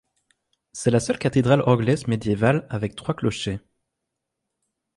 C'est la seule cathédrale anglaise médiévale avec trois clochers.